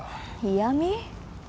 嫌み？